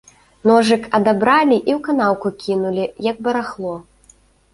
Ножык адабралі і ў канаўку кінулі, як барахло.